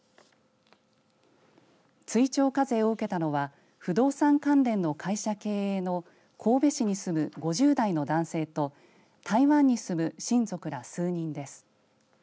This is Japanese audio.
追徴課税を受けたのは不動産関連の会社経営の神戸市に住む５０代の男性と台湾に住む親族ら数人です。